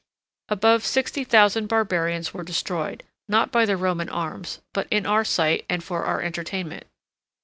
Above sixty thousand barbarians were destroyed; not by the Roman arms, but in our sight, and for our entertainment.